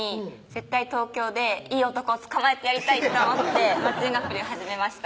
絶対東京でいい男をつかまえてやりたいと思ってマッチングアプリを始めました